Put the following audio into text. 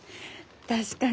確かに。